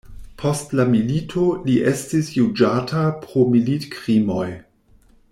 Post la milito li estis juĝata pro militkrimoj.